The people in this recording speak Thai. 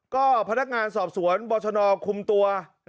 ก็พนักงานสอบสวนบรชนคุมตัว